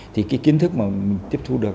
thì cái kiến thức mà mình tiếp thu được